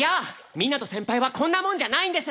みなと先輩はこんなもんじゃないんです！